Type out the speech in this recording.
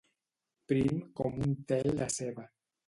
Prim com un tel de ceba